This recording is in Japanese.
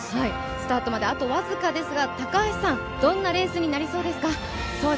スタートまであと僅かですが、どんなレースになりそうですか？